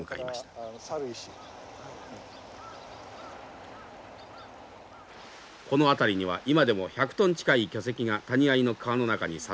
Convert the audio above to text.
この辺りには今でも１００トン近い巨石が谷あいの川の中に散在しています。